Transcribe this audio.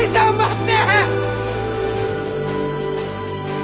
待って。